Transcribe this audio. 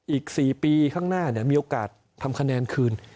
อีก๔ปีข้างหน้ามีโอกาสทำคะแนนคืน